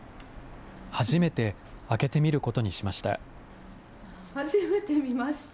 初めて開けてみることにしました。